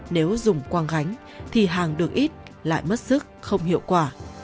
nếu dùng quang gánh thì hàng được ít lại mất sức không hiệu quả